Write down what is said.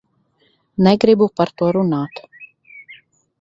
Negribu par to runāt.